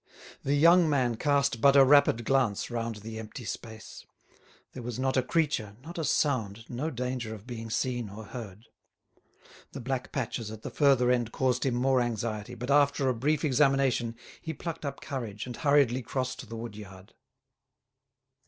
The young man cast but a rapid glance round the empty space; there was not a creature, not a sound, no danger of being seen or heard. The black patches at the further end caused him more anxiety, but after a brief examination he plucked up courage and hurriedly crossed the wood yard.